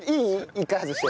一回外して。